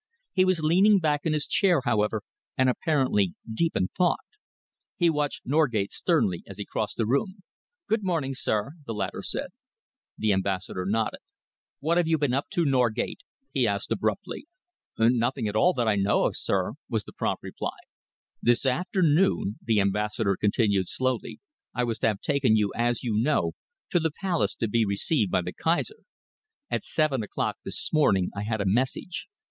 He was leaning back in his chair, however, and apparently deep in thought. He watched Norgate sternly as he crossed the room. "Good morning, sir," the latter said. The Ambassador nodded. "What have you been up to, Norgate?" he asked abruptly. "Nothing at all that I know of, sir," was the prompt reply. "This afternoon," the Ambassador continued slowly, "I was to have taken you, as you know, to the Palace to be received by the Kaiser. At seven o'clock this morning I had a message.